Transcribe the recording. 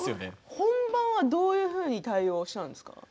本番はどういうふうに対応をしたんですか？